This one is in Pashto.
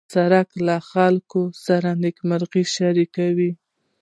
سړک له خلکو سره نېکمرغي شریکوي.